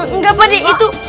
enggak pakde itu